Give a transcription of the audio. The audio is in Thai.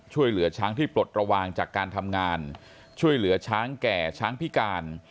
ช่วยเหลือช้างที่ปลดระวังจากการทำงานช่วยเหลือช้างแก่ช้างพิการ